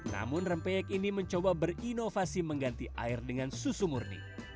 namun rempeyek ini mencoba berinovasi mengganti air dengan susu murni